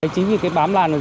chính vì cái bám làn này